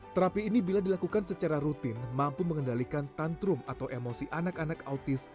terapi ini bila dilakukan secara rutin mampu mengendalikan tantrum atau emosi anak anak autis